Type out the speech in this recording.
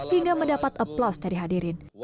hingga mendapat aplaus dari hadirin